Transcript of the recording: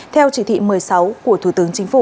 theo chỉ thị một mươi sáu của thủ tướng chính phủ